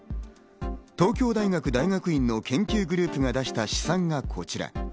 東京大学大学院の研究グループが出した試算がこちら。